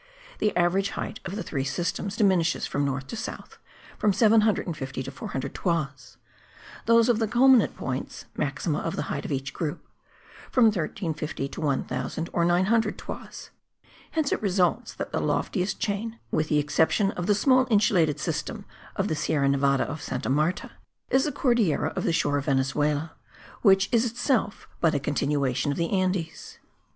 The average height of the three systems diminishes from north to south, from 750 to 400 toises; those of the culminant points (maxima of the height of each group) from 1350 to 1000 or 900 toises. Hence it results that the loftiest chain, with the exception of the small insulated system of the Sierra Nevada of Santa Marta, is the Cordillera of the shore of Venezuela, which is itself but a continuation of the Andes.